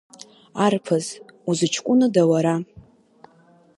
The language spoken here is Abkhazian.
Арԥыс, узҷкәында уара?